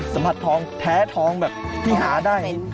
สัมผัสทองแท้ทองแบบที่หาได้